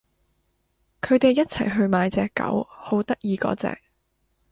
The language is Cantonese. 佢哋一齊去買隻狗，好得意嗰隻